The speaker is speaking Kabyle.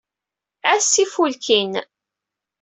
Ass ifulkin.